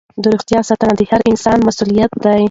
د روغتیا ساتنه د هر انسان مسؤلیت دی.